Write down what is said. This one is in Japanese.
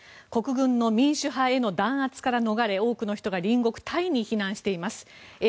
国軍の民主派への弾圧から逃れ多くの人が隣国タイへ避難しています。